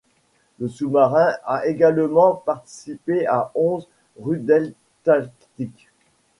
Le sous-marin a également participé à onze Rudeltaktik.